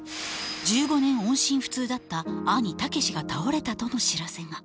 １５年音信不通だった兄武志が倒れたとの知らせが。